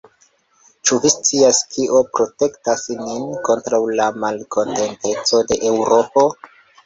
Ĉu vi scias, kio protektas nin kontraŭ la malkontenteco de Eŭropo?